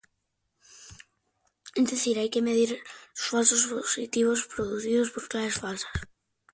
Es decir, hay que medir los falsos positivos producidos por "claves falsas".